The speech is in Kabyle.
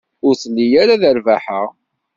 Ur telli ara d rrbaḥa.